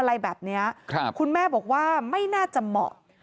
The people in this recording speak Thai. อะไรแบบนี้คุณแม่บอกว่าไม่น่าจะเหมาะ